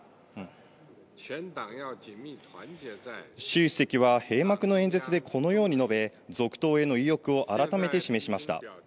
習主席は、閉幕の演説でこのように述べ、続投への意欲を改めて示しました。